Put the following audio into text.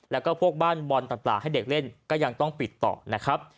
แล้วก็พวกบ้านบอลต่างให้เด็กเล่นก็ยังต้องปิดต่อนะครับ